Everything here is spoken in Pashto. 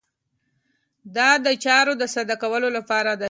دا د چارو د ساده کولو لپاره دی.